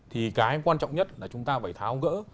thì cái quan trọng nhất là chúng ta phải tháo gỡ